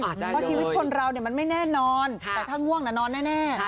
เพราะชีวิตคนเรามันไม่แน่นอนแต่ถ้าง่วงนอนแน่